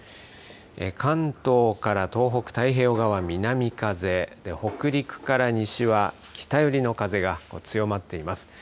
関東から東北、太平洋側南風北陸から西は北寄りの風が強まっています。